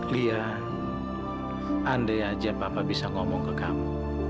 lia andai aja bapak bisa ngomong ke kamu